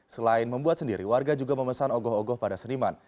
selain membuat sendiri warga juga memesan ogoh ogoh pada seniman